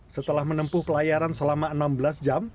setelah menempuh pelayaran selama enam belas jam